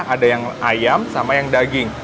ada yang ayam sama yang daging